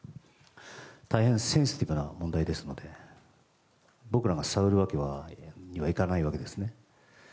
大変センシティブな問題ですので僕らが探るわけにはいかないわけですね。